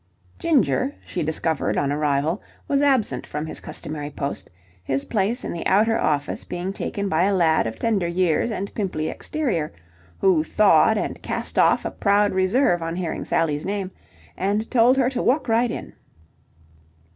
Ginger, she discovered on arrival, was absent from his customary post, his place in the outer office being taken by a lad of tender years and pimply exterior, who thawed and cast off a proud reserve on hearing Sally's name, and told her to walk right in.